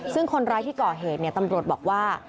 ซึ่งคนร้ายที่ก่อเหตุตำรวจบอกว่า